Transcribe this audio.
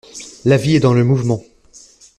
La vie est dans le mouvement.